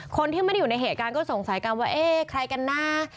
คนที่ไม่ได้อยู่ในเหตุการณ์ก็สงสัยกันว่าเอ๊ะใครกันนะ